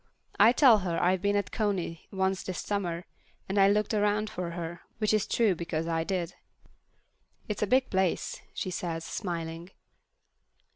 I tell her I've been at Coney once this summer, and I looked around for her, which is true, because I did. "It's a big place," she says, smiling.